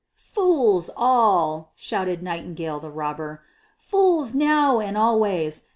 "Fools all!" shouted Nightingale the Robber. "Fools now and always!